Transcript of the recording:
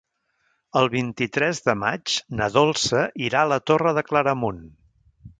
El vint-i-tres de maig na Dolça irà a la Torre de Claramunt.